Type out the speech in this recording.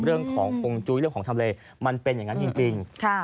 เรื่องของฮงจุ้ยเรื่องของทำเลมันเป็นอย่างนั้นจริง